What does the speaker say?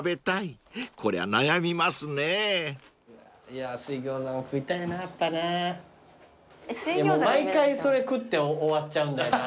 いやもう毎回それ食って終わっちゃうんだよな。